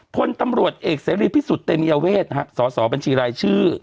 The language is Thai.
พลตำรวจเอกเสรีพิสุทธิ์เตมียเวทสสบัญชีรายชื่อ